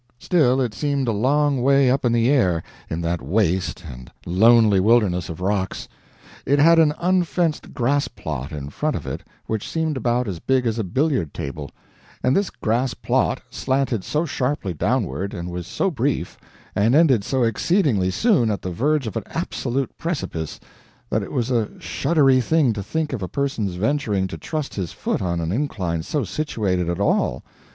Still it seemed a long way up in the air, in that waste and lonely wilderness of rocks. It had an unfenced grass plot in front of it which seemed about as big as a billiard table, and this grass plot slanted so sharply downward, and was so brief, and ended so exceedingly soon at the verge of the absolute precipice, that it was a shuddery thing to think of a person's venturing to trust his foot on an incline so situated at all.